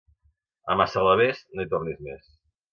A Massalavés no hi tornis més.